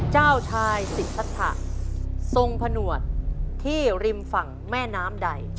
เจ้าชายสิทธะทรงผนวดที่ริมฝั่งแม่น้ำใด